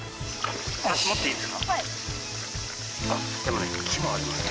持っていいですか？